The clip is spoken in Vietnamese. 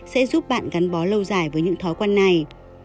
sẽ giúp bạn gắn bó lâu dài với những thói quen này